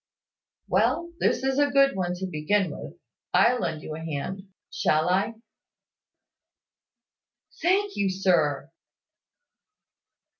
"Well, this is a good one to begin with. I'll lend you a hand; shall I?" "Thank you, sir."